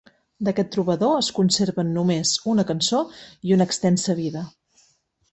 D'aquest trobador es conserven només una cançó i una extensa vida.